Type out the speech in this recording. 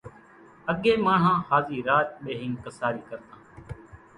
اڳيَ ماڻۿان ۿازِي راچ ٻيۿينَ ڪسارِي ڪرتان۔